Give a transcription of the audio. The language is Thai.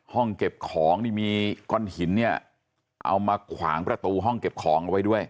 ห้องเก็บของนี่มีก้อนหินเนี่ยเอามาขวางประตูห้องเก็บของเอาไว้ด้วย